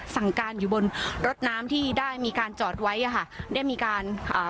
สั่งการอยู่บนรถน้ำที่ได้มีการจอดไว้อ่ะค่ะได้มีการอ่า